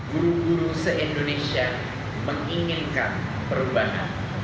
guru guru se indonesia menginginkan perubahan